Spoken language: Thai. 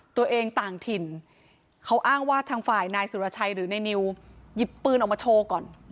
ตัวเองต่างถิ่นเขาอ้างว่าทางฝ่ายนายสุรชัยหรือนายนิวหยิบปืนออกมาโชว์ก่อน